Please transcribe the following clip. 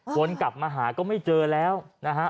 วนกลับมาหาก็ไม่เจอแล้วนะฮะ